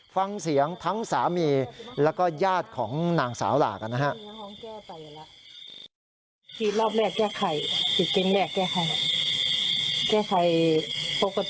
ฟังเสียงทั้งสามีและยาดของนางหลากนะครับ